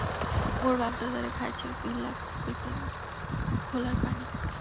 মোর বাপ দাদারে খাইছে গিল্লা কির্তন খোলার পানি।